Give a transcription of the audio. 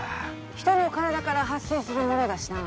人の体から発生するものだしな。